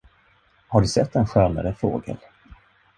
Har du sett en skönare fågel?